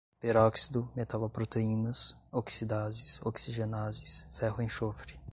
peróxido, metaloproteínas, oxidases, oxigenases, ferro-enxofre